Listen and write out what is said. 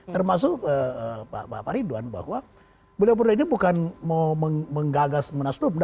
termasuk pak ridwan bahwa beliau berdiri bukan mau menggagas menaslup